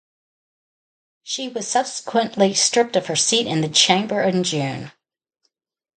She was subsequently stripped of her seat in the Chamber in June.